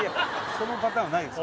そのパターンないです